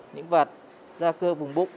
những vạt ra cơ vùng bụng